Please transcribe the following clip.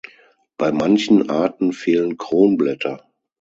Bei manchen Arten fehlen Kronblätter.